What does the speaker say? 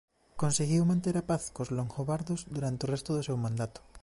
Conseguiu manter a paz cos longobardos durante o resto do seu mandato.